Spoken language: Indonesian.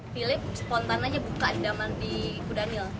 pilih spontananya buka di damar di kudanil